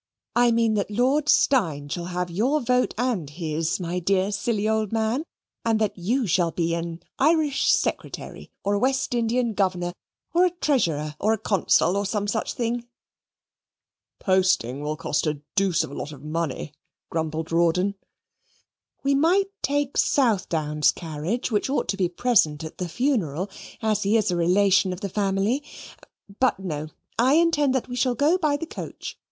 I mean that Lord Steyne shall have your vote and his, my dear, old silly man; and that you shall be an Irish Secretary, or a West Indian Governor: or a Treasurer, or a Consul, or some such thing." "Posting will cost a dooce of a lot of money," grumbled Rawdon. "We might take Southdown's carriage, which ought to be present at the funeral, as he is a relation of the family: but, no I intend that we shall go by the coach.